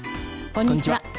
こんにちは。